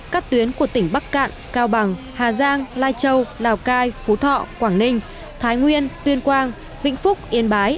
các tuyến của tỉnh bắc cạn cao bằng hà giang lai châu lào cai phú thọ quảng ninh thái nguyên tuyên quang vĩnh phúc yên bái